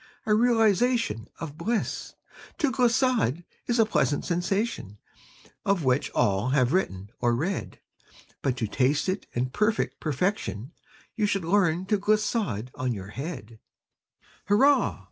A realization of bliss! To glissade is a pleasant sensation, Of which all have written, or read; But to taste it, in perfect perfection, You should learn to glissade on your head. Hurrah!